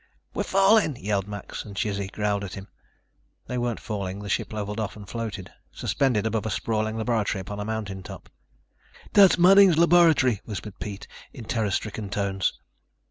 "We're falling!" yelled Max, and Chizzy growled at him. But they weren't falling. The ship leveled off and floated, suspended above a sprawling laboratory upon a mountain top. "That's Manning's laboratory," whispered Pete in terror stricken tones.